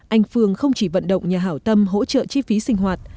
anh phương không chỉ vận động nhà hảo tâm hỗ trợ chi phí sinh hoạt